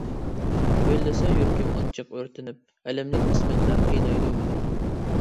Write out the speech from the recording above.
ئۈنلىسە يۈرىكىم ئاچچىق ئۆرتىنىپ، ئەلەملىك قىسمەتلەر قىينايدۇ مېنى.